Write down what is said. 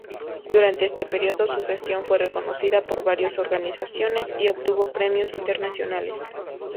Durante este período, su gestión fue reconocida por varias organizaciones y obtuvo premios internacionales.